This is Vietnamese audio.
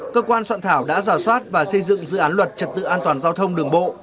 cơ quan soạn thảo đã giả soát và xây dựng dự án luật trật tự an toàn giao thông đường bộ